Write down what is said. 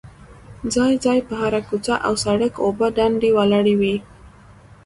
ځای ځای په هره کوڅه او سړ ک اوبه ډنډ ولاړې وې.